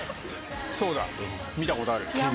そうだ見たことある。